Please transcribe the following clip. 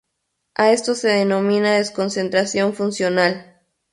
A esto se denomina desconcentración funcional.